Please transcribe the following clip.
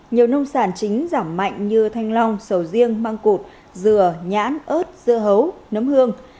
nhiều nông sản chính giảm mạnh như thanh long sầu riêng măng cụt dừa nhãn ớt dưa hấu nấm hương